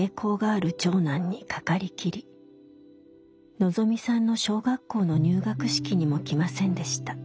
のぞみさんの小学校の入学式にも来ませんでした。